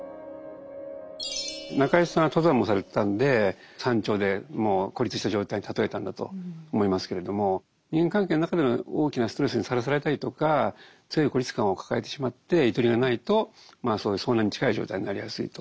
中井さんは登山もされてたんで山頂でもう孤立した状態に例えたんだと思いますけれども人間関係の中で大きなストレスにさらされたりとか常に孤立感を抱えてしまってゆとりがないとそういう遭難に近い状態になりやすいと。